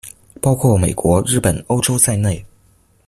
包括美國、日本、歐洲在內